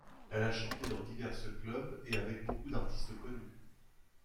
Elle a chanté dans divers clubs et avec beaucoup d'artistes connus.